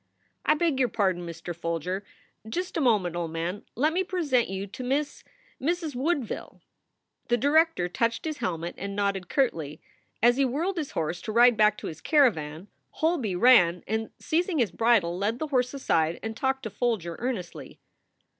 "I beg your pardon, Mr. Folger. Just a moment, old man. Let me present you to Miss Mrs. Woodville." The director touched his helmet and nodded curtly. As he whirled his horse to ride back to his caravan, Holby ran and, seizing his bridle, led the horse aside and talked to Folger earnestly.